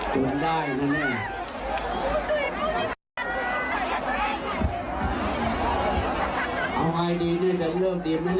กลับมามากเท่านั้นจะช่องความสัมพันธ์ของชายได้นู่นิดหนึ่ง